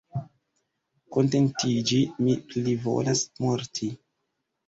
Kontentiĝi! mi plivolas morti.